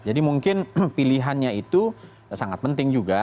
jadi mungkin pilihannya itu sangat penting juga